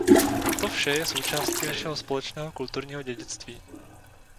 To vše je součástí našeho společného kulturního dědictví.